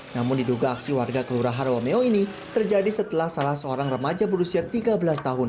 namun diduga aksi warga kelurahan wameo ini terjadi setelah salah seorang remaja berusia tiga belas tahun